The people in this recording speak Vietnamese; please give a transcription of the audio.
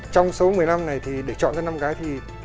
trong số một mươi năm này thì để chọn cho năm gái thì